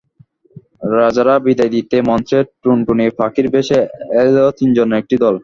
রাজারা বিদায় নিতেই মঞ্চে টুনটুনি পাখির বেশে এল তিনজনের একটি দল।